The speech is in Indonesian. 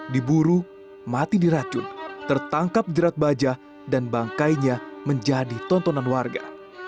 diburu mati diracun tertangkap jerat baja dan bangkainya menjadi tontonan warga